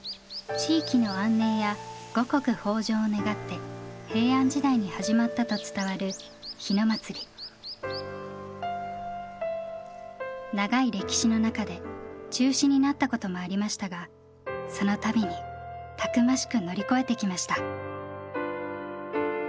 地域の安寧や五穀豊じょうを願って平安時代に始まったと伝わる長い歴史の中で中止になったこともありましたがその度にたくましく乗り越えてきました。